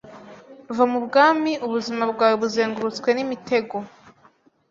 va mu bwami ubuzima bwawe buzengurutswe nimitego